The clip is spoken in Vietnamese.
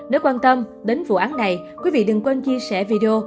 để quan tâm đến vụ án này quý vị đừng quên chia sẻ video